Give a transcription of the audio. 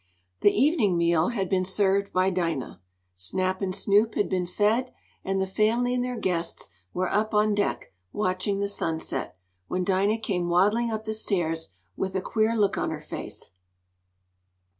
The evening meal had been served by Dinah, Snap and Snoop had been fed, and the family and their guests were up on deck, watching the sunset, when Dinah came waddling up the stairs, with a queer look on her face.